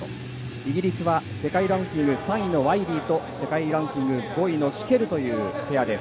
イギリスは世界ランキング３位のワイリーと世界ランキング５位のシュケルというペアです。